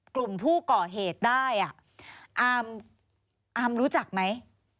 กลุ่มผู้ก่อเหตุได้อามรู้จักไหม